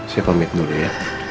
saya pamit dulu ya